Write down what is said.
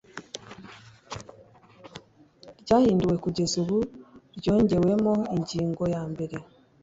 ryahinduwe kugeza ubu ryongewemo ingingo yambere